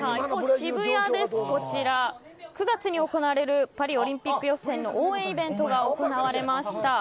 渋谷で９月に行われるパリオリンピック予選の応援イベントが行われました。